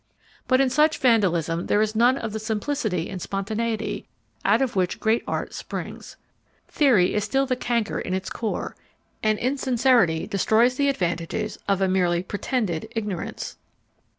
But in such vandalism there is none of the simplicity and spontaneity out of which great art springs: theory is still the canker in its core, and insincerity destroys the advantages of a merely pretended ignorance.